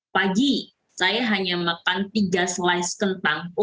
pagi saya hanya makan tiga slice kentang